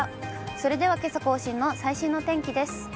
それではけさ更新の最新のお天気です。